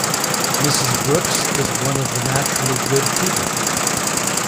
Mrs. Brookes is one of the naturally good people.